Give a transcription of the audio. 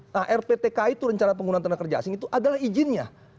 nah rptk itu rencana penggunaan tenaga kerja asing itu adalah izinnya